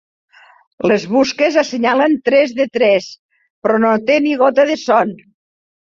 Les busques assenyalen tres de tres, però no té ni gota de son.